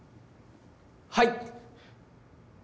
はい！